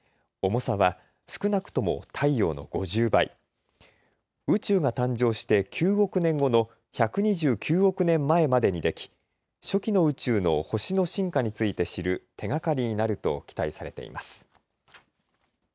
重さは少なくとも太陽の５０倍、宇宙が誕生して９億年後の１２９億年前までにでき初期の宇宙の星の進化について知る手がかりになると期待されています。